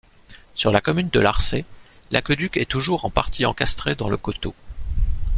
Sur la commune de Larçay, l'aqueduc est toujours en partie encastré dans le coteau.